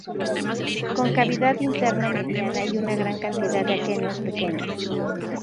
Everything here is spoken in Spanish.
Con cavidad interna mediana y una gran cantidad de aquenios pequeños.